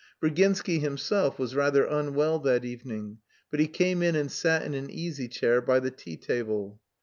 Virginsky himself was rather unwell that evening, but he came in and sat in an easy chair by the tea table.